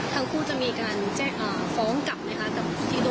ทั้งคู่จะมีการแจ้งฟ้องกลับไหมคะกับที่โดน